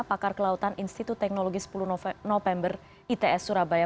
pakar kelautan institut teknologi sepuluh november its surabaya